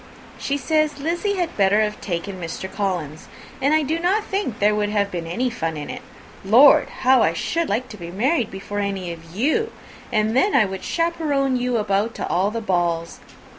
She says Lizzy had better have taken Mr. Collins; but I do not think there would have been any fun in it. Lord! how I should like to be married before any of you! and then I would chaperon you about to all the balls.